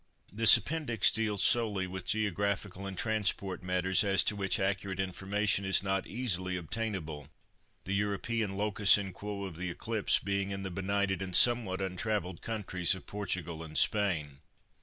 This Appendix deals solely with geographical and transport matters as to which accurate information is not easily obtainable, the European locus in quo of the Eclipse being in the benighted and somewhat untravelled countries of Portugal and Spain.